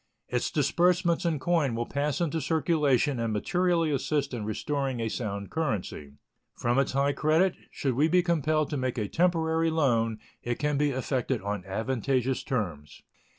Its disbursements in coin will pass into circulation and materially assist in restoring a sound currency. From its high credit, should we be compelled to make a temporary loan, it can be effected on advantageous terms.